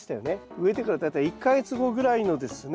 植えてから大体１か月後ぐらいのですね